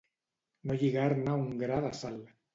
No lligar-ne un gra de sal.